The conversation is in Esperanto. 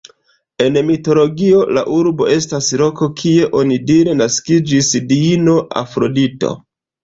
En mitologio la urbo estas loko, kie onidire naskiĝis diino Afrodito.